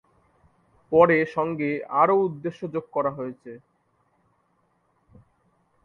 পরে সঙ্গে আরো উদ্দেশ্য যোগ করা হয়েছে।